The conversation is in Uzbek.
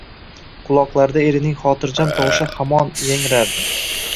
Quloqlarida erining xotirjam tovushi hamon yangrardi